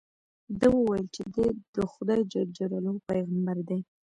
ده وویل چې دې د خدای جل جلاله پیغمبر دی.